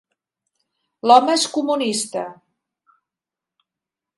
L'home és comunista!